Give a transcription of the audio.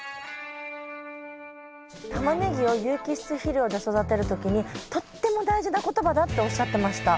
タマネギを有機質肥料で育てる時にとっても大事な言葉だっておっしゃってました。